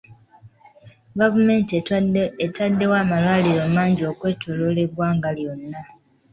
Gavumenti etaddewo amalwaliro mangi okwetooloola eggwanga lyonna.